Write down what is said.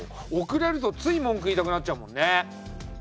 遅れるとつい文句言いたくなっちゃうもんね。